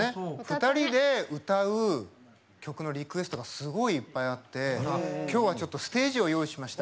２人で歌う曲のリクエストがすごいいっぱいあって今日はちょっとステージを用意しました。